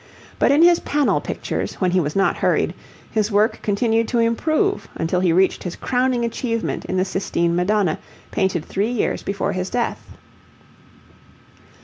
But in his panel pictures, when he was not hurried, his work continued to improve until he reached his crowning achievement in the Sistine Madonna painted three years before his death.